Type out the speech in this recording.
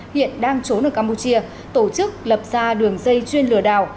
hiện đang trốn ở campuchia tổ chức lập ra đường dây chuyên lừa đảo